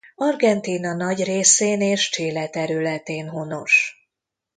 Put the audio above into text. Argentína nagy részén és Chile területén honos.